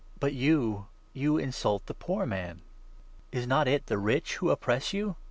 But you — you insult the 6 poor man ! Is not it the rich who oppress you ?